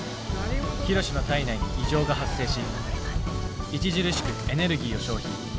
ヒロシの体内に以上が発生し著しくエネルギーを消費。